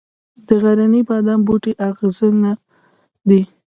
د غرني بادام بوټی اغزنه دی